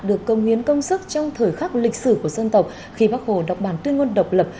được công hiến công sức trong thời khắc lịch sử của dân tộc khi bác hồ đọc bản tuyên ngôn độc lập